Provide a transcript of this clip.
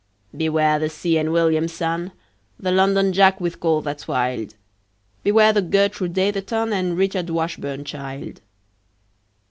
Beware the see enn william, son, The londonjack with call that's wild. Beware the gertroo datherton And richardwashburnchild.